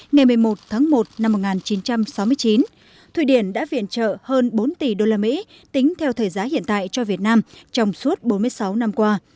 ngày một mươi một tháng một năm một nghìn chín trăm sáu mươi chín thụy điển đã viện trợ hơn bốn tỷ usd tính theo thời giá hiện tại cho việt nam trong suốt bốn mươi sáu năm qua